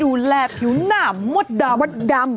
ดูแลผิวหน้าหมดดำ